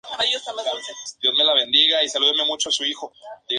Desde esta capilla salen las procesiones patronales en las festividades de agosto.